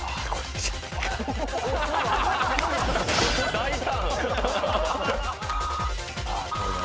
大胆！